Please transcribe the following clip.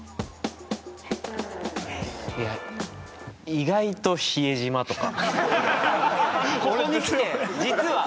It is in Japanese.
意外と比江島とか？